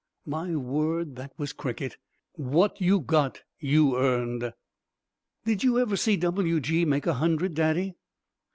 My word, that was cricket. What you got you earned." "Did you ever see W. G. make a hundred, Daddy?"